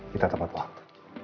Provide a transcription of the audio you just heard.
kita tepat waktu